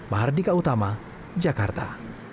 mahardika utama jakarta